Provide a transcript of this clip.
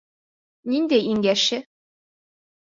Ниндәй иң йәше?